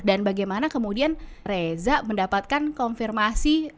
dan bagaimana kemudian reza mendapatkan konfirmasi